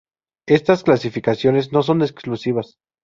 Estas clasificaciones no son exclusivas.